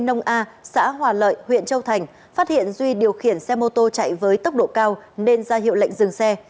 nông a xã hòa lợi huyện châu thành phát hiện duy điều khiển xe mô tô chạy với tốc độ cao nên ra hiệu lệnh dừng xe